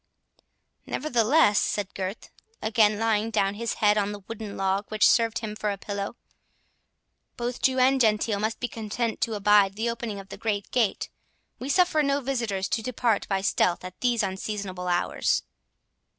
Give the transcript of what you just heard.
"Nevertheless," said Gurth, again laying down his head on the wooden log which served him for a pillow, "both Jew and Gentile must be content to abide the opening of the great gate—we suffer no visitors to depart by stealth at these unseasonable hours."